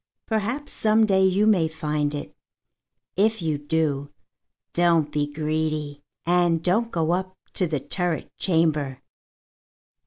Perhaps some day you may find it. If you do, don't be greedy, and don't go up to the turret chamber.